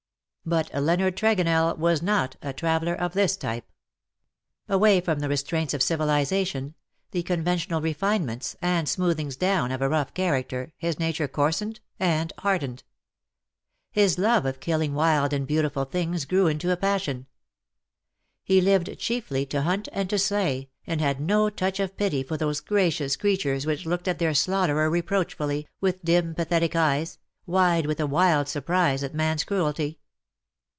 But Leonard Tregonell was not a traveller of this type. Away from the restraints of civilization — the conventional refine ments and smoothings down of a rough character — his nature coarsened and hardened. His love of killing wild and beautiful things grew into a pas sion. He lived chiefly to hunt and to slay, and had no touch of pity for those gracious creatures which looked at their slaughterer reproachfully, with dim pathetic eyes — wide with a wild surprise at man's cruelty.